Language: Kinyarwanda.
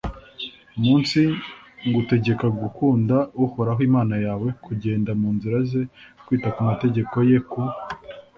munsi ngutegeka gukunda uhoraho imana yawe, kugenda mu nzira ze, kwita ku mategeko ye, ku